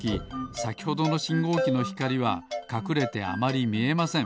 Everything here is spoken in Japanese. さきほどのしんごうきのひかりはかくれてあまりみえません。